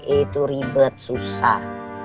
itu ribet susah